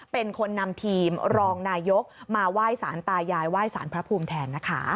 เป็นคนนำทีมรองนายกมาไหว้สารตายายไหว้สารพระภูมิแทนนะคะ